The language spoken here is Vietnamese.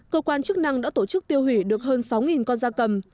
cơ quan chức năng đã tổ chức tiêu hủy được hơn sáu con da cầm